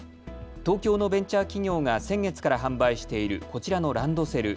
東京のベンチャー企業が先月から販売しているこちらのランドセル。